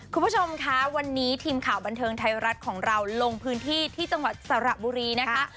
คุณผู้ชมคะวันนี้ทีมข่าวบันเทิงไทยรัฐของเราลงพื้นที่ที่จังหวัดสระบุรีนะคะ